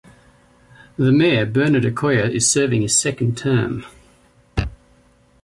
The mayor, Bernard Accoyer, is serving his second term.